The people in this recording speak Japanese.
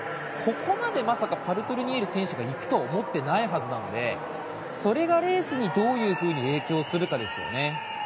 ここまでまさかパルトリニエリ選手が行くと思ってないはずなのでそれがレースにどういうふうに影響するかですよね。